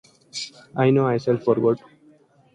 I know I shall forget.